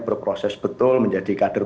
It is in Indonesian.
berproses betul menjadi kader